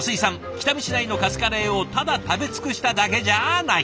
北見市内のカツカレーをただ食べ尽くしただけじゃない。